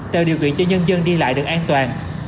tạo điều kiện cho nhân dân đi lại được an toàn